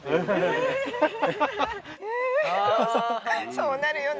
そうなるよね